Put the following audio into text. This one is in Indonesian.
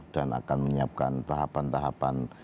dan akan menyiapkan tahapan tahapan